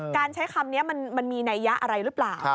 การใช้คำนี้มันมีนัยยะอะไรหรือเปล่า